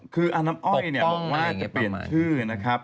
คืออาน้ำอ้อยเนี่ยบอกว่าจะเปลี่ยนชื่อนะครับ